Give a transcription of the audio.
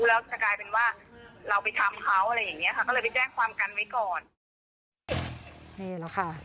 แล้วจะกลายเป็นว่าเราไปทำเขาอะไรอย่างนี้ค่ะ